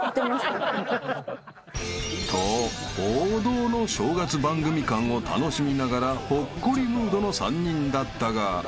［と王道の正月番組感を楽しみながらほっこりムードの３人だったが］